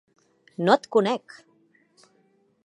No et conec!